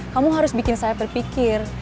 kamu harus bikin saya berpikir